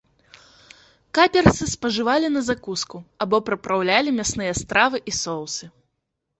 Каперсы спажывалі на закуску або прыпраўлялі мясныя стравы і соусы.